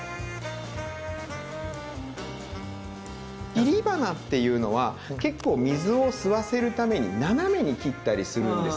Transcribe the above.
切り花っていうのは結構水を吸わせるために斜めに切ったりするんですよ。